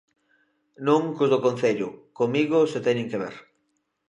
Non cos do Concello, comigo se teñen que ver.